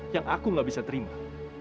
yang aku gak bisa terima